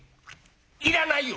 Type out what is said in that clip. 「いらないよ！」。